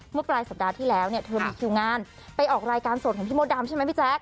เมื่อปลายสัปดาห์ที่แล้วเนี่ยเธอมีคิวงานไปออกรายการสดของพี่มดดำใช่ไหมพี่แจ๊ค